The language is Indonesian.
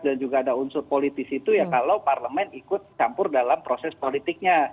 dan juga ada unsur politis itu ya kalau parlemen ikut campur dalam proses politiknya